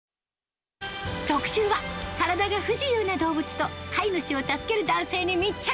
特集は、体が不自由な動物と、飼い主を助ける男性に密着。